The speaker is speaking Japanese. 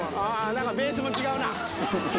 何かベースも違うな。